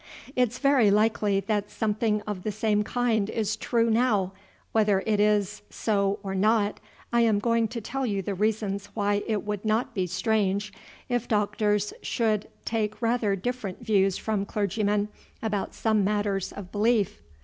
It 's very likely that something of the same kind is true now; whether it is so or not, I am going to tell you the reasons why it would not be strange, if doctors should take rather different views from clergymen about some matters of belief.